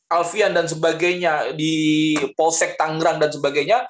alfian dan sebagainya di posek tangrang dan sebagainya